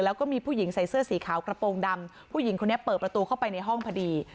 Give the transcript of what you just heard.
แล้วก็มีผู้หญิงใส่เสื้อสีขาวกระโปรงดำผู้หญิงคนนี้เปิดประตูเข้าไปในห้องพอดี